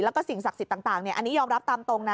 แล้วก็สิ่งศักดิ์สิทธิ์ต่างอันนี้ยอมรับตามตรงนะ